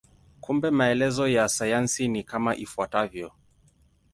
Kumbe maelezo ya sayansi ni kama ifuatavyo.